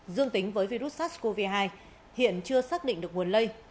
dương tính với virus sars cov hai hiện chưa xác định được nguồn lây